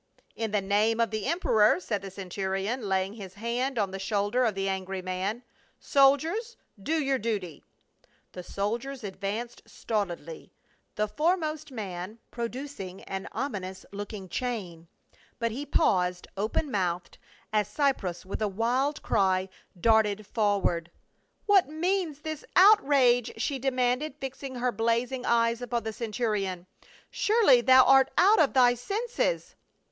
" In the name of the emperor," said the centurion, laying his hand on the shoulder of the angry man. "Soldiers, do your duty." The soldiers advanced stolidly, the foremost man Paul— 3. WHAT MEANS THIS OUTRAGE?" THE RECLmE OF CAPRAE. 69 producing an ominous looking chain. But he paused open mouthed as Cypres with a wild cry darted for ward. "What means this outrage ?" she demanded, fixing her blazing eyes upon the centurion. *• Surely thou art out of thy senses."